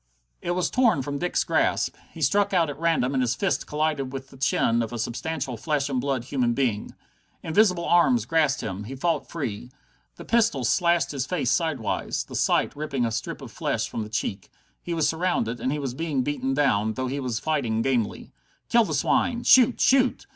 It was torn from Dick's grasp. He struck out at random, and his fist collided with the chin of a substantial flesh and blood human being. Invisible arms grasped him. He fought free. The pistol slashed his face sidewise, the sight ripping a strip of flesh from the cheek. He was surrounded, he was being beaten down, though he was fighting gamely. "Kill the swine! Shoot! Shoot!"